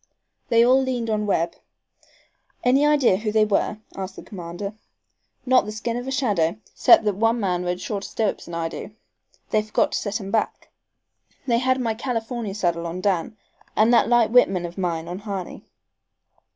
They all leaned on Webb. "Any idea who they were?" asked the commander. "Not the skin of a shadow, 'cept that one man rode shorter stirrups'n I do. They forgot to set 'em back. They had my California saddle on Dan and that light Whitman of mine on Harney."